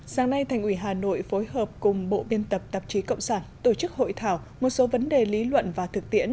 sáng nay thành ủy hà nội phối hợp cùng bộ biên tập tạp chí cộng sản tổ chức hội thảo một số vấn đề lý luận và thực tiễn